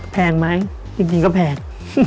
แพงไหมจริงก็แพง